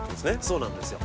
そうなんですよ。